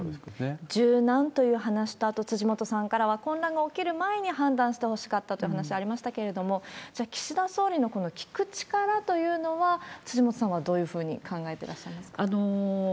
柔軟という話と、あと辻元さんからは、混乱が起きる前に判断してほしかったという話ありましたけれども、じゃあ、岸田総理のこの聞く力というのは、辻元さんはどういうふうに考えてらっしゃいますか？